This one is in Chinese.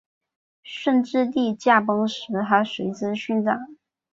顺治帝驾崩时她随之殉葬。